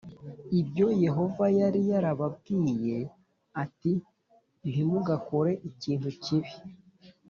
ibyo Yehova yari yarababwiye ati ntimugakore ikintu kibi